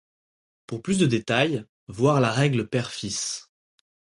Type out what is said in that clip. Pour plus de détails, voir la règle père-fils.